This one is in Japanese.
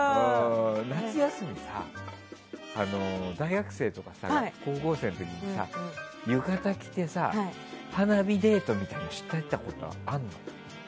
夏休みさ、大学生とか高校生の時にさ浴衣着てさ花火デートみたいなのしてたことあるの？